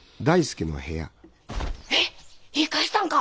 えっ言い返したんか？